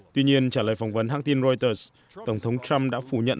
tuy nhiên trả lời phỏng vấn hãng tin reuters tổng thống trump đã phủ nhận